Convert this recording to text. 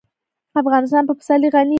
افغانستان په پسرلی غني دی.